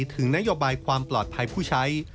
ถึงนโยบายความปลอดภัยผู้ใช้